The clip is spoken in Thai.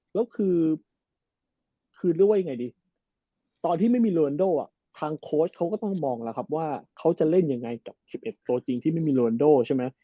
แล้วคือเรียกว่ายังไงดีตอนที่ไม่มีโรนโดทางโค้ชเขาก็ต้องมองแล้วครับว่าเขาจะเล่นยังไงกับ๑๑ตัวจริงที่ไม่มีโรนโดใช่ไหม